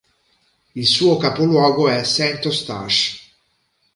Il suo capoluogo è Saint-Eustache.